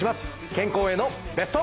健康へのベスト。